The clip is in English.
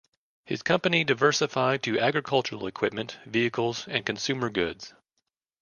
His company diversified to agricultural equipment, vehicles and consumer goods.